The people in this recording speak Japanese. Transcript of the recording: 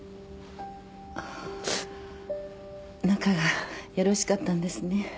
仲がよろしかったんですね。